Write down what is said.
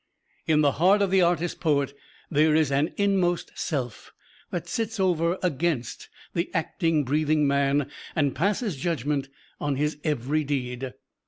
In the heart of the artist poet there is an Inmost Self that sits over against the acting, breathing man and passes judgment on his every deed.